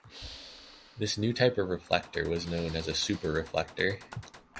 This new type of reflector was known as a super-reflector.